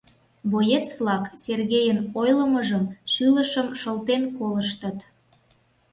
Боец-влак Сергейын ойлымыжым шӱлышым шылтен колыштыт.